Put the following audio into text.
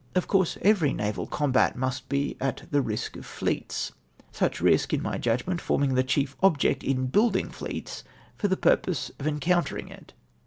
Of course, every naval combat must be at the risk of fleets ; such risk, in my judgment, forming the chief object in building fleets for the purpose of encountering it.